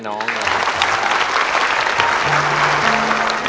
ก่อนี้ครับ